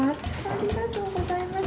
ありがとうございます